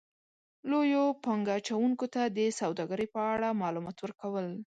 -لویو پانګه اچونکو ته د سوداګرۍ په اړه مالومات ورکو ل